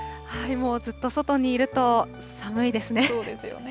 もうずっと外にいると、寒いですね。